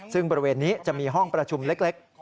ซึ่งบริเวณนี้จะมีห้องประชุมเล็ก